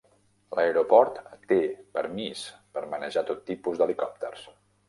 L'aeroport té permís per manejar tot tipus d'helicòpters.